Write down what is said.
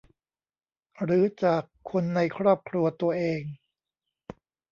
หรือจากคนในครอบครัวตัวเอง